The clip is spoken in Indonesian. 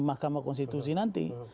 mahkamah konstitusi nanti